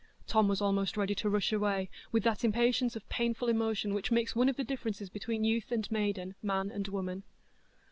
Tom was almost ready to rush away, with that impatience of painful emotion which makes one of the differences between youth and maiden, man and woman.